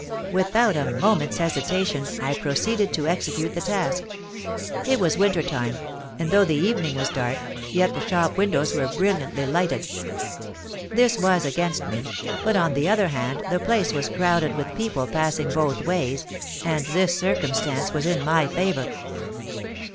Without a moment's hesitation I proceeded to execute the task. It was winter time; and though the evening was dark, yet the shop windows were brilliantly lighted. This was against me—but on the other hand, the place was crowded with people passing both ways, and this circumstance was in my favour.